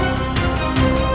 aku akan menang